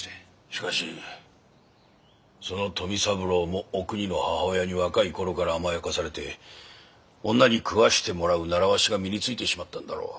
しかしその富三郎もおくにの母親に若い頃から甘やかされて女に食わしてもらう習わしが身についてしまったんだろう。